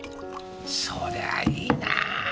そりゃあいいな。